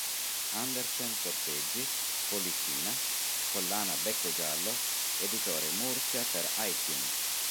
Andersen-Corteggi, "Pollicina",Collana Beccogiallo, Editore Mursia per iTunes.